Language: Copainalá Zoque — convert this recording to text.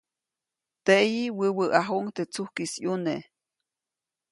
Teʼyi, wäwäʼajuŋ teʼ tsujkis ʼyune.